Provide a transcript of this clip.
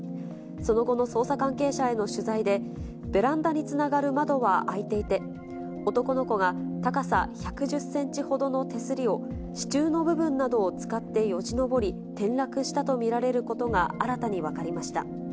その後の捜査関係者への取材で、ベランダにつながる窓は開いていて、男の子が高さ１１０センチほどの手すりを支柱の部分などを使ってよじ登り、転落したと見られることが新たに分かりました。